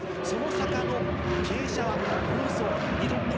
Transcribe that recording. その坂の傾斜はおよそ２度。